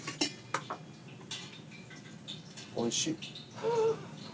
おいしい。